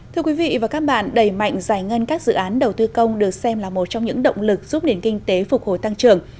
thưa quý vị và các bạn đầy mạnh giải ngân các dự án đầu tư công được xem là một trong những động lực giúp nền kinh tế phục hồi tăng trưởng